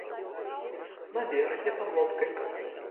На беразе, пад лодкай?